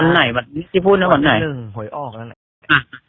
วันไหนแบบนี้ที่พูดนะวันไหนวันที่หนึ่งหวยออกแล้วแหละอ่า